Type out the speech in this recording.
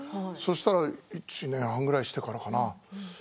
そしたら１年半くらいしてからかな？